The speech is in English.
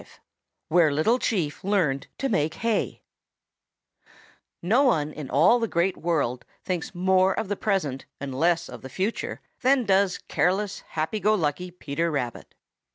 V WHERE LITTLE CHIEF LEARNED TO MAKE HAY No one in all the Great World thinks more of the present and less of the future than does careless, happy go lucky Peter Rabbit.